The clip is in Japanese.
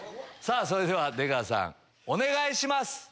それでは出川さんお願いします！